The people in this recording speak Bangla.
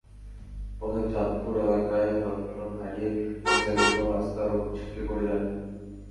পথে চাঁদপুর এলাকায় নিয়ন্ত্রণ হারিয়ে মোটরসাইকেলসহ রাস্তার ওপর ছিটকে পড়ে মারা যান।